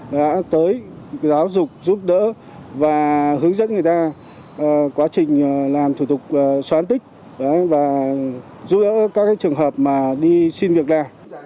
đã tới giáo dục giúp đỡ và hướng dẫn người ta quá trình làm thủ tục soán tích và giúp đỡ các trường hợp mà đi xin việc đa